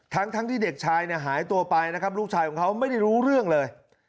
ทั้งที่เด็กชายเนี่ยหายตัวไปนะครับลูกชายของเขาไม่ได้รู้เรื่องเลย